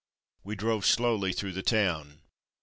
We drove slowly through the town.